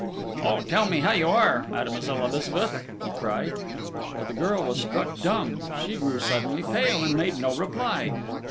"Oh, tell me how you are, Mademoiselle Elizabeth!" he cried. But the girl was struck dumb: she grew suddenly pale, and made no reply.